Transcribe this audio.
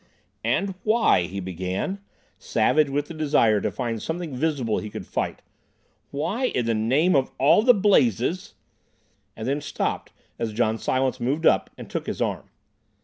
"And why," he began, savage with the desire to find something visible he could fight—"why, in the name of all the blazes—?" and then stopped as John Silence moved up and took his arm.